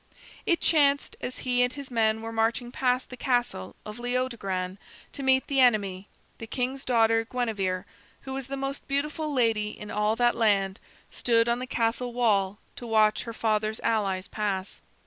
It chanced, as he and his men were marching past the castle of Leodogran to meet the enemy, the king's daughter, Guinevere, who was the most beautiful lady in all that land, stood on the castle wall to watch her father's allies pass.